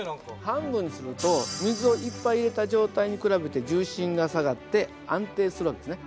半分にすると水をいっぱい入れた状態に比べて重心が下がって安定する訳ですね。